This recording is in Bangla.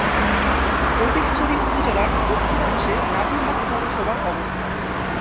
ফটিকছড়ি উপজেলার দক্ষিণাংশে নাজিরহাট পৌরসভার অবস্থান।